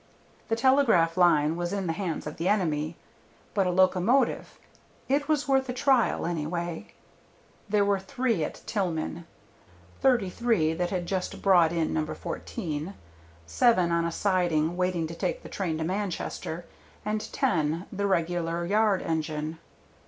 The telegraph line was in the hands of the enemy, but a locomotive It was worth a trial, anyway. There were three at Tillman: 33 that had just brought in No. 14, 7 on a siding waiting to take the train to Manchester, and 10, the regular yard engine.